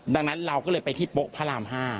ดังนั้นเราก็เลยไปที่โป๊ะพระราม๕